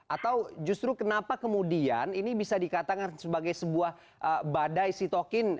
atau justru kenapa kemudian ini bisa dikatakan sebagai sebuah badai sitokin